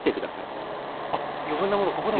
あっ余分なものをここでも。